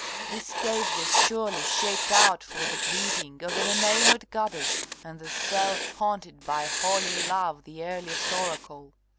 This cave was surely shaped out for the greeting Of an enamoured Goddess, and the cell Haunted by holy Love the earliest oracle!